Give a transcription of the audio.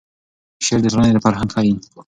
شعر د ټولنې فرهنګ ښیي.